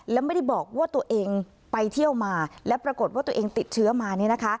และไม่ได้บอกว่าตัวเองไปเที่ยวมาและปรากฏว่าตัวเองติดเชื้อมาเนี่ยนะคะ